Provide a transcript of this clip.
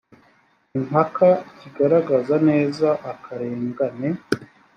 impaka kigaragaza neza akarengane